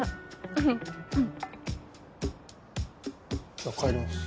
じゃあ帰ります。